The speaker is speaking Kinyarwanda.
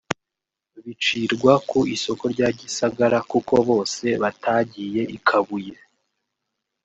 bicirwa ku isoko rya Gisagara kuko bose batagiye i Kabuye